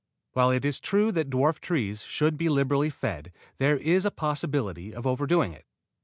While it is true that dwarf fruit trees should be liberally fed there is a possibility of overdoing it.